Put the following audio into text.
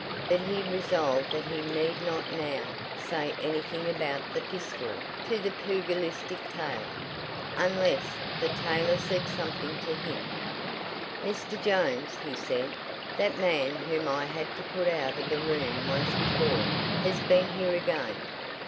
But he resolved that he need not now say anything about the pistol to the pugilistic tailor, unless the tailor said something to him. "Mr. Jones," he said, "that man whom I had to put out of the room once before, has been here again."